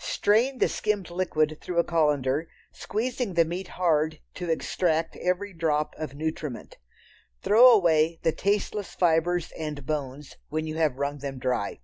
Strain the skimmed liquid through a colander, squeezing the meat hard to extract every drop of nutriment. Throw away the tasteless fibres and bones when you have wrung them dry.